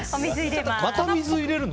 また水入れるの？